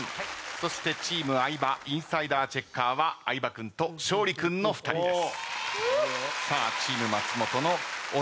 そしてチーム相葉インサイダーチェッカーは相葉君と勝利君の２人です。